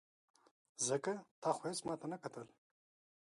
ځکه تا خو هېڅکله ماته نه کتل.